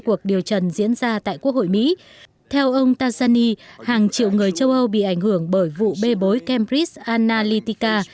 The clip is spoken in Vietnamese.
cuộc điều trần diễn ra tại quốc hội mỹ theo ông tarzani hàng triệu người châu âu bị ảnh hưởng bởi vụ bê bối cambridge analytica